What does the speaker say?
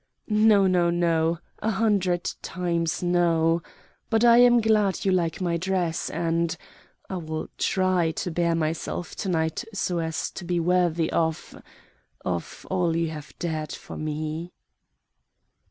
"No, no, no, a hundred times no. But I am glad you like my dress and I will try to bear myself to night so as to be worthy of of all you have dared for me."